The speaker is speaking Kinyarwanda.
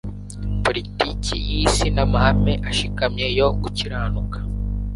Politiki y'isi n'amahame ashikamye yo gukiranuka